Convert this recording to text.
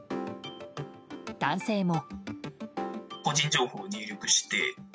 男性も。